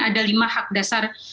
ada lima hak dasar